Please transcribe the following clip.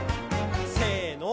せの。